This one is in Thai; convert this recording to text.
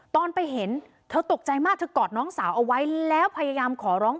ตอนไปเห็นเธอตกใจมากเธอกอดน้องสาวเอาไว้แล้วพยายามขอร้อง